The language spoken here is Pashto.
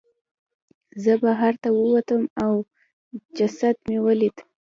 زه بهر ته ووتلم او جسد مې ولید.